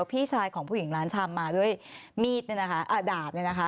ที่พี่ชายของผู้หญิงล้านชำมาด้วยดาบ